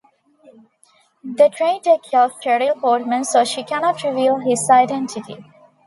The traitor kills Cheryl Portman so she cannot reveal his identity.